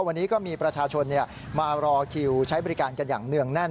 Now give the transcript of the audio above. วันนี้ก็มีประชาชนมารอคิวใช้บริการกันอย่างเนื่องแน่น